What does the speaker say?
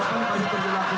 persiapan masih berlaku